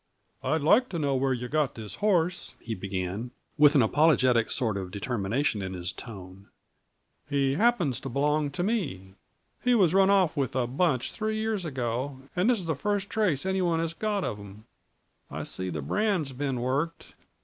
"I'd like to know where yuh got this horse," he began, with an apologetic sort of determination in his tone. "He happens to belong to me. He was run off with a bunch three years ago, and this is the first trace anybody has ever got of 'em. I see the brand's been worked.